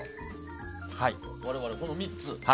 我々、この３つ。